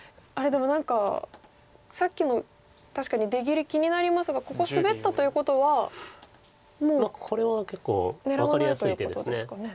でも何かさっきの確かに出切り気になりますがここスベったということはもう狙わないということですかね。